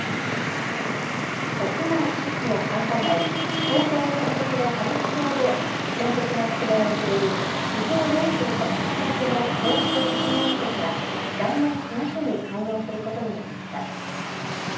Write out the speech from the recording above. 国内屈指の繁華街、東京新宿の歌舞伎町で建設が進められている地上４８階建ての高層複合施設が来年４月に開業することになりました。